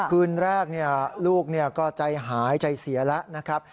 คืนแรกเนี่ยลูกเนี่ยก็ใจหายใจเสียแล้วนะครับ